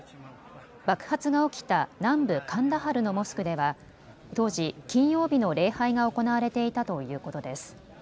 爆発が起きた南部カンダハルのモスクでは当時、金曜日の礼拝が行われていたということです。